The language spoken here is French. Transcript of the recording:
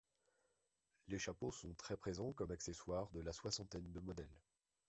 Les chapeaux sont très présents comme accessoires de la soixantaine de modèles.